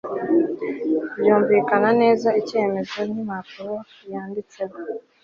byumvikana neza, icyemezo, nkimpapuro yanditseho